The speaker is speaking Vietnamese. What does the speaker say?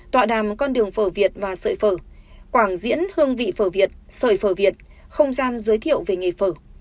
tọa đàm con đường phở việt và sợi phở quảng diễn hương vị phở việt sợi phở việt không gian giới thiệu về nghề phở